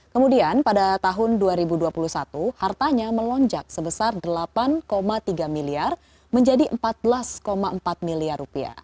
kemudian pada tahun dua ribu dua puluh satu hartanya melonjak sebesar rp delapan tiga miliar menjadi rp empat belas empat miliar